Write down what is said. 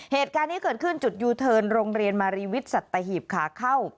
เหตุการณ์นี้เกิดขึ้นจุดยูเทิร์นโรงเรียนมารีวิทย์สัตหีบขาเข้า